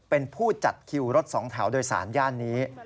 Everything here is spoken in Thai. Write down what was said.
เป็นผู้จัดคิวรถสองแถวโดยสารย่านนี้